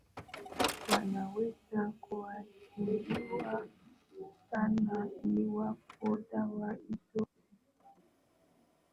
wanaweza kuathiriwa sana iwapo dawa hizo zinapatikana